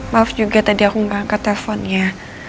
maaf juga tadi aku gak angkat telfonnya